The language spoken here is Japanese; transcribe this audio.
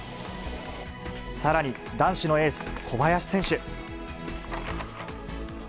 さらに男子のエース、小林選手。